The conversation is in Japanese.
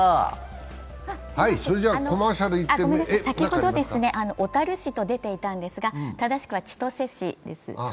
先ほど小樽市と出ていたんですが、正しくは千歳市です。